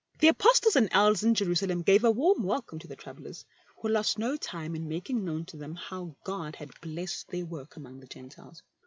The Apostles and Elders in Jerusalem gave a warm welcome to the travellers, who lost no time in making known to them how God had blessed their work among the Gentiles.